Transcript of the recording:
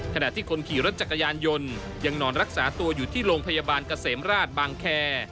ขณะที่คนขี่รถจักรยานยนต์ยังนอนรักษาตัวอยู่ที่โรงพยาบาลเกษมราชบางแค